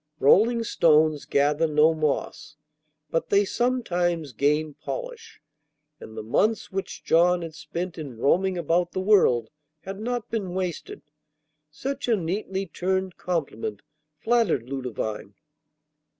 Rolling stones gather no moss, but they sometimes gain polish; and the months which John had spent in roaming about the world had not been wasted. Such a neatly turned compliment flattered Ludovine.